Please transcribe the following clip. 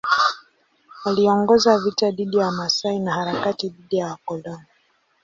Aliongoza vita dhidi ya Wamasai na harakati dhidi ya wakoloni.